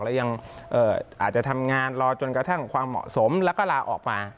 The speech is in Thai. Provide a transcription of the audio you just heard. แล้วยังอาจจะทำงานรอจนกระทั่งความเหมาะสมแล้วก็ลาออกมา